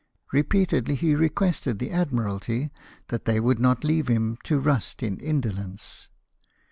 Repeatedly he requested the Admiralty that they would not leave him to rust in indolence.